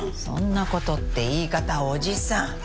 「そんな事」って言い方おじさん！